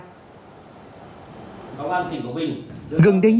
công an tìm quảng bình